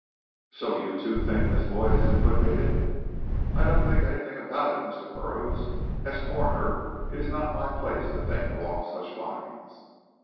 "So you, too, think Miss Lloyd is implicated?" "I don't think anything about it, Mr. Burroughs. As coroner it is not my place to think along such lines."